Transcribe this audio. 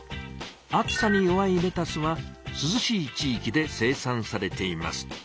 暑さに弱いレタスはすずしい地いきで生産されています。